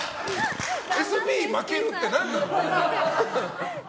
ＳＰ負けるって何なの。